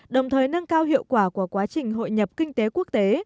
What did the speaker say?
đồng thời nâng cao hiệu quả của quá trình hội nhập kinh tế quốc tế